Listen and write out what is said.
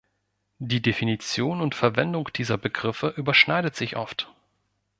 Die Definition und Verwendung dieser Begriffe überschneidet sich oft.